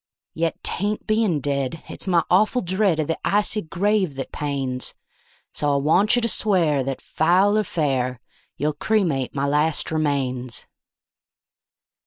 Yet 'tain't being dead it's my awful dread of the icy grave that pains; So I want you to swear that, foul or fair, you'll cremate my last remains."